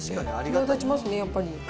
際立ちますね、やっぱり。